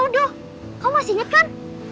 aduh kok masih ingat kan